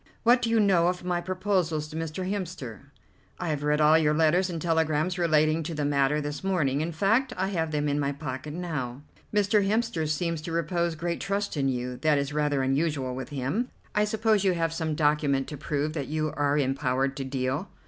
What do you know of my proposals to Mr. Hemster?" "I have read all your letters and telegrams relating to the matter this morning; in fact, I have them in my pocket now." "Mr. Hemster seems to repose great trust in you. That is rather unusual with him. I suppose you have some document to prove that you are empowered to deal?"